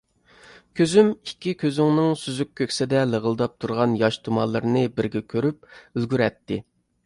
كۆزۈم ئىككى كۆزۈڭنىڭ سۈزۈك كۆكسىدە لىغىلداپ تۇرغان ياش تۇمانلىرىنى بىرگە كۆرۈپ ئۈلگۈرەتتى.